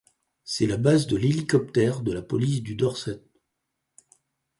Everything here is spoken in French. C'est la base de l'hélicoptère de la police du Dorset.